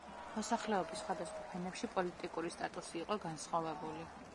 მოსახლეობის სხვადასხვა ფენებში პოლიტიკური სტატუსი იყო განსხვავებული.